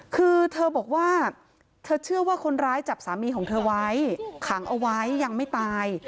คือเธอบอกว่าเธอเชื่อว่าคนร้ายจับสามีของเธอไว้ขังเอาไว้ยังไม่ตาย